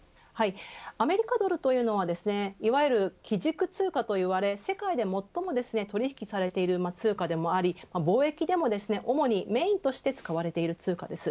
アメリカドルというのはいわゆる基軸通貨といわれ世界で最もと取り引きされている通貨でもあり貿易でも主にメーンとして使われている通貨です。